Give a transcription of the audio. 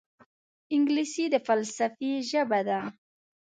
انګلیسي د فلسفې ژبه ده